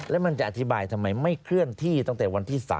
แล้วมันจะอธิบายทำไมไม่เคลื่อนที่ตั้งแต่วันที่๓